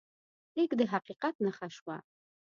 لیک د حقیقت نښه شوه.